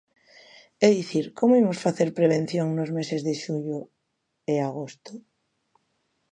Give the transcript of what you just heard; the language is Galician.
É dicir, ¿como imos facer prevención nos meses de xullo e agosto?